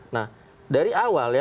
nah dari awal ya